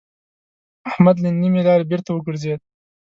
احمد له نيمې لارې بېرته وګرځېد.